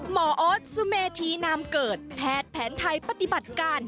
โอ๊ตสุเมธีนามเกิดแพทย์แผนไทยปฏิบัติการ